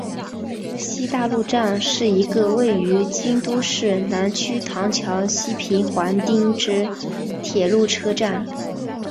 西大路站是一个位于京都市南区唐桥西平垣町之铁路车站。